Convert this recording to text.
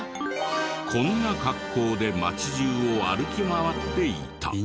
こんな格好で街中を歩き回っていた。